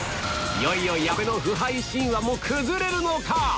いよいよ矢部の不敗神話も崩れるのか？